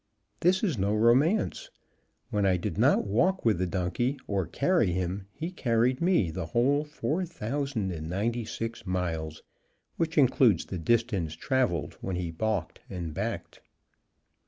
This is no romance. When I did not walk with the donkey or carry him, he carried me the whole four thousand and ninety six miles, which includes the distance traveled when he balked and backed.